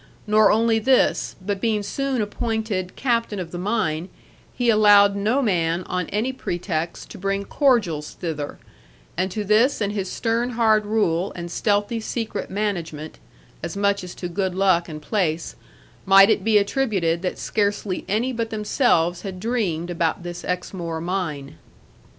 Nor only this; but being soon appointed captain of the mine, he allowed no man on any pretext to bring cordials thither; and to this and his stern hard rule and stealthy secret management (as much as to good luck and place) might it be attributed that scarcely any but themselves had dreamed about this Exmoor mine.